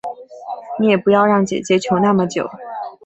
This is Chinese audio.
你也不要让姐姐求那么久